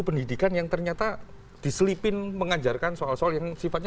pendidikan yang ternyata diselipin mengajarkan soal soal yang sifatnya